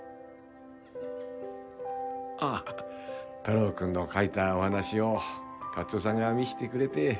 太郎くんの書いたお話を勝夫さんが見してくれて。